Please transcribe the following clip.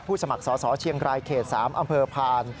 ผู้สมัครสอเชียงกลายเขต๓อำเภอพาน